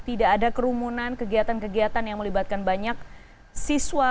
tidak ada kerumunan kegiatan kegiatan yang melibatkan banyak siswa